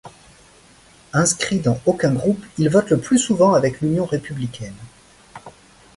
Inscrit dans aucun groupe, il vote le plus souvent avec l'Union républicaine.